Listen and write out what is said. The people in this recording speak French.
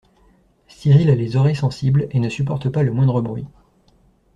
Cyril a les oreilles sensibles et ne supporte pas le moindre bruit.